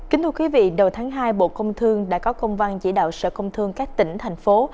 kính thưa quý vị đầu tháng hai bộ công thương đã có công văn chỉ đạo sở công thương các tỉnh thành phố